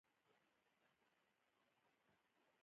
پسه د افغانستان د امنیت په اړه هم اغېز لري.